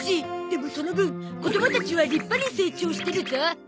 でもその分子どもたちは立派に成長してるゾ。